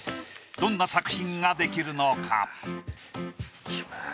どんな作品が出来るのか？